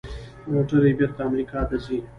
موټرې بیرته امریکا ته ځي.